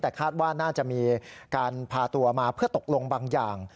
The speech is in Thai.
แต่คาดว่าน่าจะมีการพาตัวมาเพื่อตกลงบางอย่าง